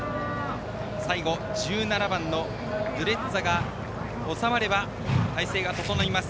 最後１７番のドゥレッツァが収まれば態勢が整います。